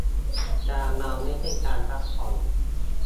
การเมาไม่ใช่การพักผ่อน.